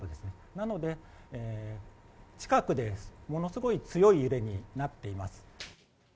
なので、近くでものすごい強い揺れになっています。